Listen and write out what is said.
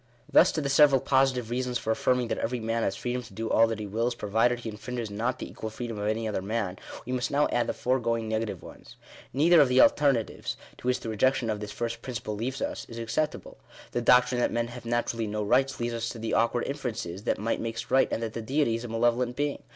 Thus to the several positive reasons for affirming that every man has freedom to do all that he wills, provided he infringes Digitized by VjOOQIC FIRST PRINCIPLE. 109 not the equal freedom of any other man, we must now add the foregoing negative ones. Neither of the alternatives, to which the rejection of this first principle leaves us, is acceptable. The doctrine that men have naturally no rights leads to the awkward inferences, that might makes right, and that the Deity is a malevolent being.